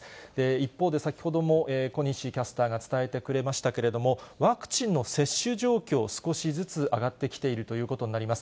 一方で先ほども小西キャスターが伝えてくれましたけれども、ワクチンの接種状況、少しずつ上がってきているということになります。